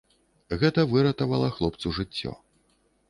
Гэта выратавала хлопцу жыццё.